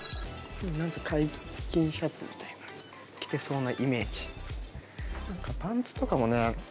開襟シャツみたいなの着てそうなイメージ。